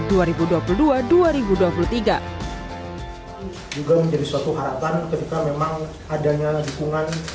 juga menjadi suatu harapan ketika memang adanya dukungan